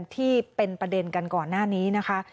ที่เป็นประเด็นกันก่อนหน้านี้นะคะ